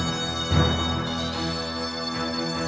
pasti degreeh disesuaikan saja